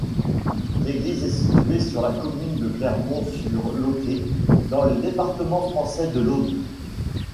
L'église est située sur la commune de Clermont-sur-Lauquet, dans le département français de l'Aude.